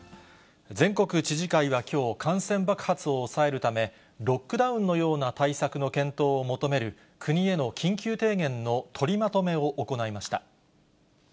全国知事会はきょう、感染爆発を抑えるため、ロックダウンのような対策の検討を求める国への緊急提言の取りまとめを行いました。